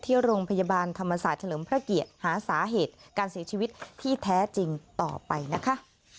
ที่โรงพยาบาลธรรมศาสตร์เฉลิมพระเกียรติหาสาเหตุการเสียชีวิตที่แท้จริงต่อไปนะคะ